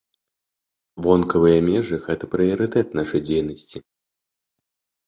Вонкавыя межы, гэта прыярытэт нашай дзейнасці.